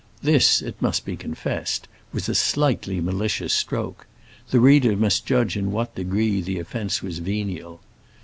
This, it must be confessed, was a slightly malicious stroke; the reader must judge in what degree the offense was venial.